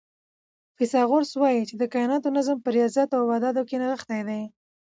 فیثاغورث وایي چې د کائناتو نظم په ریاضیاتو او اعدادو کې نغښتی دی.